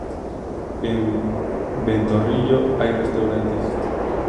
En Ventorrillo hay restaurantes.